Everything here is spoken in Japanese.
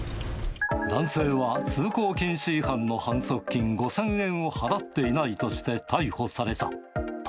男性は通行禁止違反の反則金５０００円を払っていないとして逮捕された。